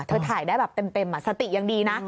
เธอถ่ายได้แบบเต็มสติอย่างดีนะ